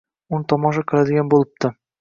Uni tomosha qiladigan bo‘libdi.